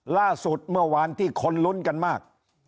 ล่าสุดเมื่อวานที่คนลุ้นกันมาก